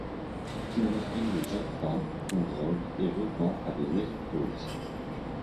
Kidnapping de jeunes femmes, qu'on drogue et revend à des maisons closes.